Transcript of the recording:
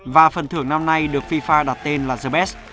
và phần thưởng năm nay được fifa đặt tên là the best